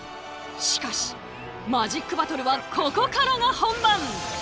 しかしマジックバトルはここからが本番。